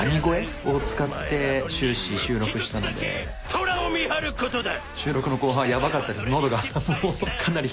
虎を見張ることだ！